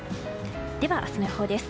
では、明日の予報です。